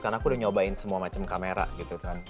karena aku udah nyobain semua macam kamera gitu kan